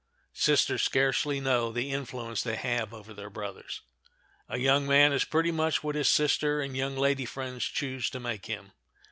Sisters scarcely know the influence they have over their brothers. A young man is pretty much what his sister and young lady friends choose to make him.